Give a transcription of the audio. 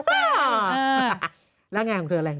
ก็คือแค่นี้ไม่รู้รบรึเปล่า